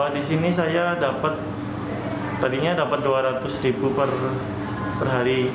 di sini saya dapat tadinya dapat dua ratus ribu per hari